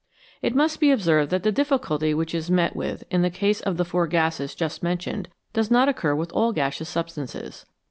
It must be observed that the difficulty which is met with in the case of the four gases just mentioned does not occur with all gaseous substances.